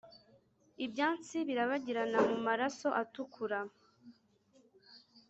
ibyatsi birabagirana mu maraso atukura;